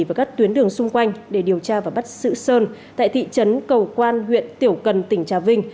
và các tuyến đường xung quanh để điều tra và bắt sử sơn tại thị trấn cầu quan huyện tiểu cần tỉnh trà vinh